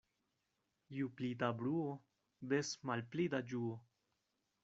Ju pli da bruo, des malpli da ĝuo.